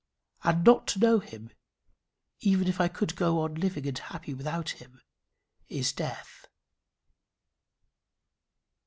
And not to know him, even if I could go on living and happy without him, is death.